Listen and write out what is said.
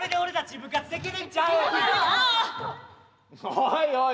おいおい